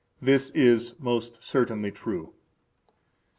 This is most certainly true.